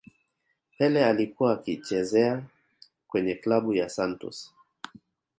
pele alikuwa akiichezea kwenye klabu ya santos